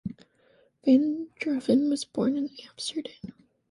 Van Dreven was born in Amsterdam.